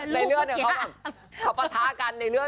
ในเรื่องนี้เขาประทากันในเรื่อง